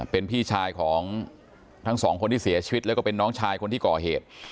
เป็นพี่ชายของทั้งสองคนที่เสียชีวิตแล้วก็เป็นน้องชายคนที่ก่อเหตุ